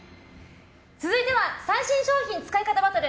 続いて最新商品使い方バトル！